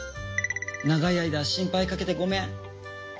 長い間心配かけてごめん。